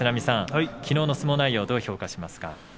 きのうの相撲内容はどう評価しますか。